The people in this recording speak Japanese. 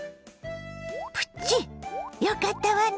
プチよかったわね。